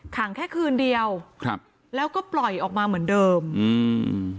แค่คืนเดียวครับแล้วก็ปล่อยออกมาเหมือนเดิมอืม